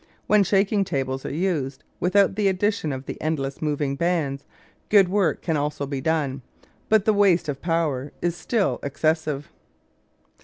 When shaking tables are used, without the addition of the endless moving bands, good work can also be done; but the waste of power is still excessive.